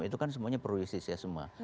itu kan semuanya perwisis ya semua